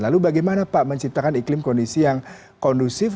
lalu bagaimana pak menciptakan iklim kondisi yang kondusif